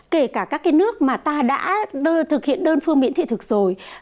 kể cả các cái nước mà ta đã thực hiện đơn phương miễn thị thực rồi